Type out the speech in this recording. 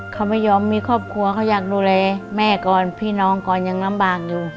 เขาไม่ยอมมีครอบครัวเขาอยากดูแลแม่ก่อนพี่น้องก่อนยังลำบากอยู่